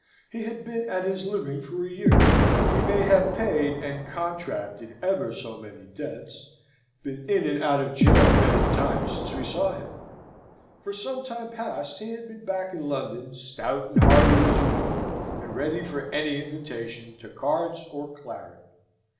He had been at his living for a year. He may have paid and contracted ever so many debts, have been in and out of jail many times since we saw him. For some time past he had been back in London stout and hearty as usual, and ready for any invitation to cards or claret.